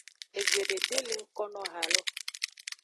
Egbede de le ngkono ha lo.